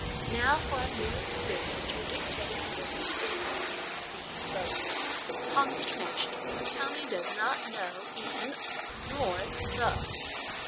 Now for a new experience. We dictate ' pussy is in the boat' Consternation ! Tommy does not know ' in ' nor ' the.'